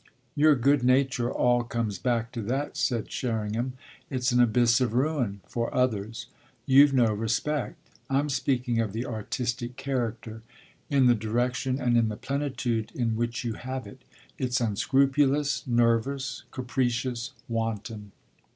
"Your good nature all comes back to that," said Sherringham. "It's an abyss of ruin for others. You've no respect. I'm speaking of the artistic character in the direction and in the plentitude in which you have it. It's unscrupulous, nervous, capricious, wanton."